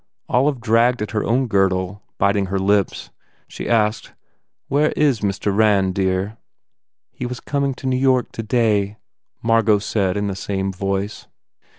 Olive dragged at her own girdle, biting her lips. She asked, "Where is Mr. Rand, dear?" "He was coming to New York today," Margot said in the same voice.